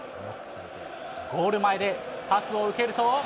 ゴール前でパスを受けると。